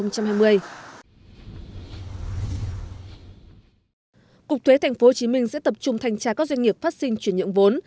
cục thuế thành phố hồ chí minh sẽ tập trung thanh tra các doanh nghiệp phát sinh chuyển nhượng vốn